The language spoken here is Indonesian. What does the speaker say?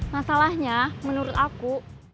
masalahnya menurut aku